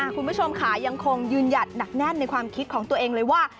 คุณผู้ชมค่ะยังคงยืนหยัดหนักแน่นในความคิดของตัวเองเลยว่า